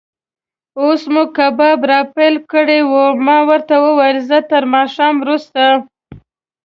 اوس مو کباب را پیل کړی و، ما ورته وویل: زه تر ماښام وروسته.